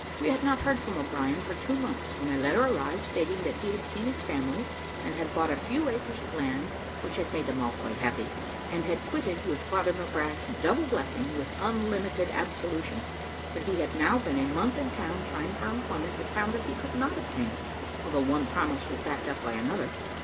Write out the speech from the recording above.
We had not heard from O'Brien for two months, when a letter arrived, stating that he had seen his family, and had bought a few acres of land, which had made them all quite happy, and had quitted with Father McGrath's double blessing, with unlimited absolution; that he had now been a month in town trying for employment, but found that he could not obtain it, although one promise was backed up by another.